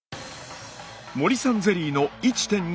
森さんゼリーの１．２％。